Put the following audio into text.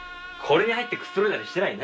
これに入ってくつろいだりしてない？